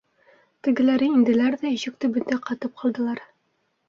Тегеләре инделәр ҙә ишек төбөндә ҡатып ҡалдылар.